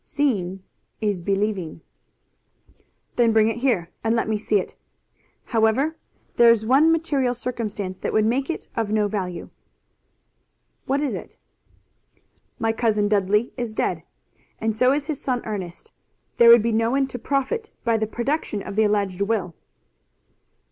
"Seeing is believing." "Then bring it here, and let me see it. However, there is one material circumstance that would make it of no value." "What is it?" "My cousin Dudley is dead, and so is his son Ernest. There would be no one to profit by the production of the alleged will."